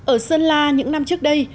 ở sơn la những năm trước đây